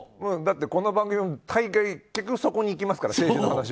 だって、この番組も結局そこにいきますからね。